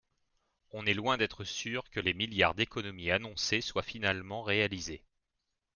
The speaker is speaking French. on est loin d’être sûrs que les milliards d’économies annoncés soient finalement réalisés.